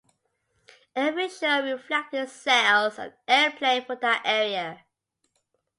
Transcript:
Every show reflected sales and airplay for that area.